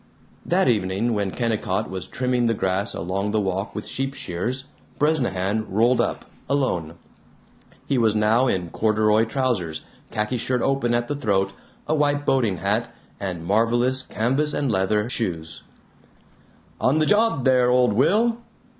That evening, when Kennicott was trimming the grass along the walk with sheep shears, Bresnahan rolled up, alone. He was now in corduroy trousers, khaki shirt open at the throat, a white boating hat, and marvelous canvas and leather shoes "On the job there, old Will!